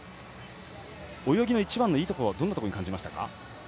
泳ぎの一番のいいところはどんなとこに感じましたか。